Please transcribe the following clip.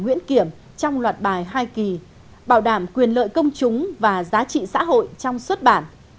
nguyễn kiểm trong loạt bài hai kỳ bảo đảm quyền lợi công chúng và giá trị xã hội trong xuất bản